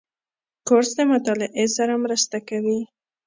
کورس د مطالعې سره مرسته کوي.